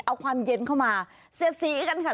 เอาความเย็นเข้ามาเสียดสีกันค่ะ